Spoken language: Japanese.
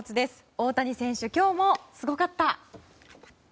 大谷選手、今日もすごかった。